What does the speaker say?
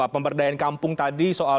pemberdayaan kampung tadi soal